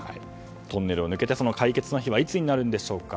トンネルを抜けて解決の日はいつになるんでしょうか。